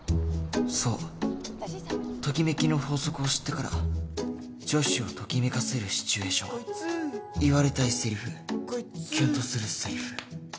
そうときめきの法則を知ってから女子をときめかせるシチュエーション言われたいセリフキュンとするセリフ